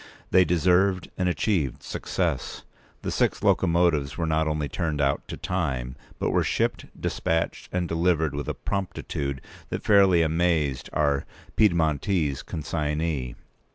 They deserved and achieved success. The six locomotives were not only turned out to time, but were shipped, despatched, and delivered with a promptitude that fairly amazed our Piedmontese consignee.